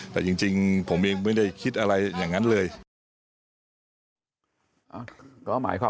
แต่จริงผมเองไม่ได้คิดอะไรอย่างนั้นเลย